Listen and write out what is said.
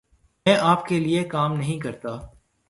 میں آپ کے لئے کام نہیں کرتا۔